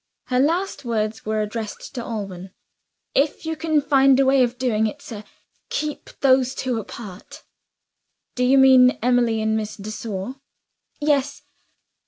Her last words were addressed to Alban. "If you can find a way of doing it, sir, keep those two apart." "Do you mean Emily and Miss de Sor? "Yes."